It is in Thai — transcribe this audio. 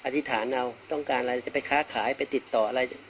อธิษฐานเอาต้องการอะไรจะไปค้าขายไปติดต่ออะไร